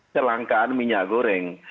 kelangkaan minyak goreng